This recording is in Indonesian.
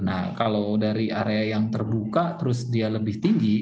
nah kalau dari area yang terbuka terus dia lebih tinggi